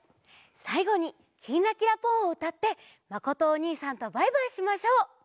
さいごに「きんらきらぽん」をうたってまことおにいさんとバイバイしましょう。